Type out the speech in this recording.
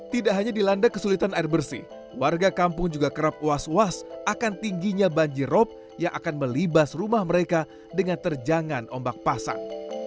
tidak hanya dilanda kesulitan air bersih warga kampung juga kerap was was akan tingginya banjirop yang akan melibas rumah mereka dengan terjangan ombak pasang